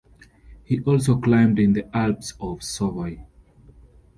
He also climbed in the Alps of Savoy.